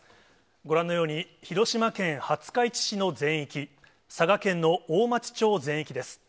ご覧のように、広島県八回致死の全域、佐賀県の大町町全域です。